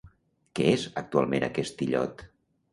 Què és actualment aquest illot?